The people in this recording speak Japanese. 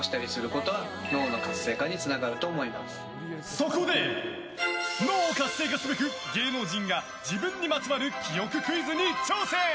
そこで、脳を活性化すべく芸能人が自分にまつわる記憶クイズに挑戦。